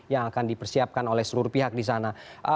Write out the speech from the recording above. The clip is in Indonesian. yang akan dipersiapkan oleh seluruh pihak di sana